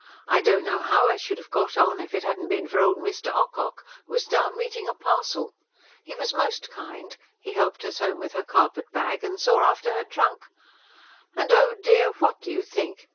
I don't know how I should have got on if it hadn't been for old Mr. Ocock, who was down meeting a parcel. He was most kind; he helped us home with her carpet bag, and saw after her trunk. And, oh dear, what do you think?